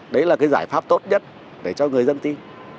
đấy là cái giải pháp tốt nhất để cho người dân tin